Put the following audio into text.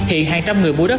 hiện hàng trăm người mua đất